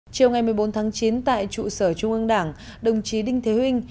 chiều ngày một mươi bốn tháng chín tại trụ sở trung ương đảng đồng chí đinh thế huynh